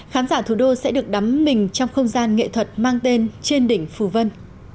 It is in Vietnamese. khán giả thủ đô sẽ được đắm mình trong không gian nghệ thuật mang tên trên đỉnh phù vân